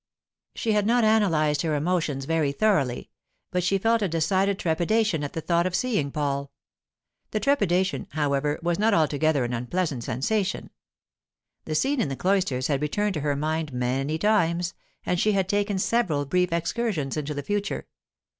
She had not analysed her emotions very thoroughly, but she felt a decided trepidation at the thought of seeing Paul. The trepidation, however, was not altogether an unpleasant sensation. The scene in the cloisters had returned to her mind many times, and she had taken several brief excursions into the future.